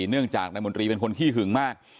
เนื่องจากนายมนตรีเป็นคนขี้หึงมาก